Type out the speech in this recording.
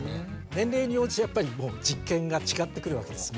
年齢に応じてやっぱり実験が違ってくるわけですね。